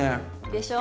でしょ。